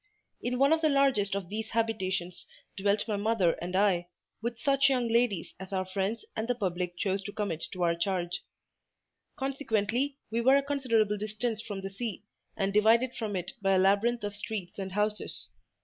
In one of the largest of these habitations dwelt my mother and I, with such young ladies as our friends and the public chose to commit to our charge. Consequently, we were a considerable distance from the sea, and divided from it by a labyrinth of streets and houses.